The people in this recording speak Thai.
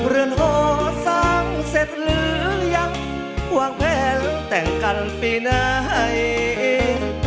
เรือนหอสร้างเสร็จหรือยังวางแผนแต่งกันปีไหน